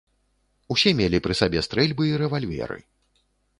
Усе мелі пры сабе стрэльбы і рэвальверы.